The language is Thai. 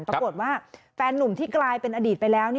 ปรากฏว่าแฟนนุ่มที่กลายเป็นอดีตไปแล้ว